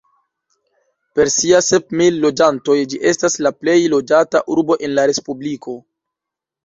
Per sia sep mil loĝantoj ĝi estas la plej loĝata urbo en la respubliko.